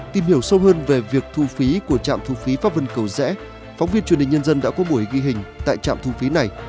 tìm hiểu sâu hơn về việc thu phí của trạm thu phí pháp vân cầu rẽ phóng viên truyền hình nhân dân đã có buổi ghi hình tại trạm thu phí này